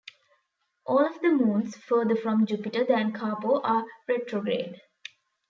All of the moons further from Jupiter than Carpo are retrograde.